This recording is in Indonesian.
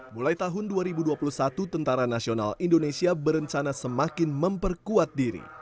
mulai tahun dua ribu dua puluh satu tni berencana semakin memperkuat diri